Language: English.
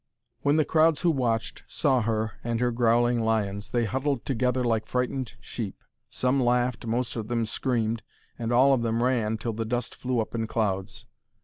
When the crowds who watched saw her and her growling lions, they huddled together like frightened sheep. Some laughed, most of them screamed, and all of them ran till the dust flew up in clouds.